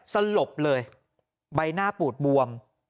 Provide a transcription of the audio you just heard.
สลบเลยใบหน้าปูดบวม